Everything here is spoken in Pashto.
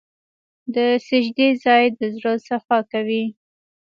د سجدې ځای د زړه صفا کوي.